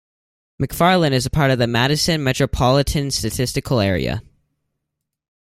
McFarland is part of the Madison Metropolitan Statistical Area.